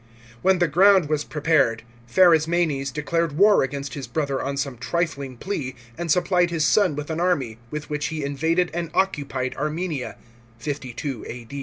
When the ground was prepared, Pharasmanes declared war against his brother on some trifling plea, and supplied his son with an army, with which he invaded and occupied Armenia (52 A.